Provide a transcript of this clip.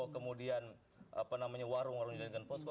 kemudian warung warungnya di dengan posko